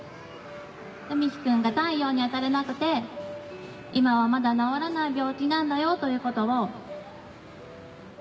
海陽くんが太陽に当たれなくて今はまだ治らない病気なんだよということを。